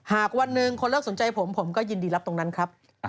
หากวันหนึ่งคนเลิกสนใจผมผมก็ยินดีรับตรงนั้นครับ